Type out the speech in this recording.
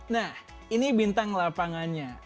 nah ini bintang lapangannya